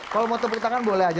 kalau mau tepuk tangan boleh aja